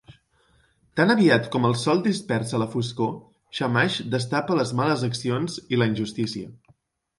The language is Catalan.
Tan aviat com el Sol dispersa la foscor, Shamash destapa les males accions i la injustícia.